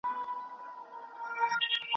مرغۍ ولې په خاورو راولوېده؟